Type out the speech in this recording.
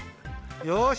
よし！